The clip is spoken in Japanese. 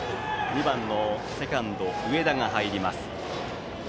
２番のセカンド、上田が入ります。